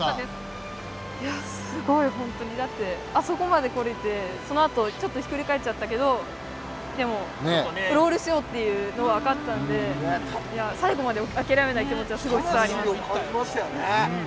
すごいあそこまで来れて、そのあとひっくり返っちゃったけどでも、ロールしようっていうのは分かったので最後まで諦めない気持ちがすごい伝わりました。